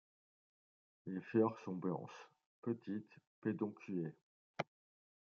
Les fleurs sont blanches, petites, pédonculées.